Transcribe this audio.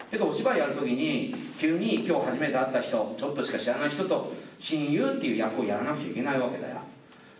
お芝居やるときに、急にきょう初めて会った人、ちょっとしか知らない人と、親友っていう役をやらなくちゃいけないわけだよ。